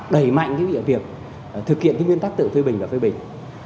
đẩy mạnh cái việc thực hiện nguyên tắc tự phê bình và phê bình